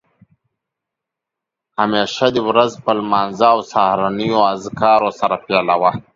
همېشه دې ورځ په لمانځه او سهارنیو اذکارو سره پیلوه